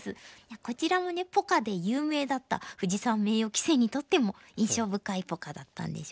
こちらもねポカで有名だった藤沢名誉棋聖にとっても印象深いポカだったんでしょうね。